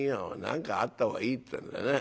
何かあった方がいいってんだよね。